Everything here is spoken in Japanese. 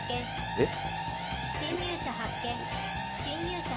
えっ？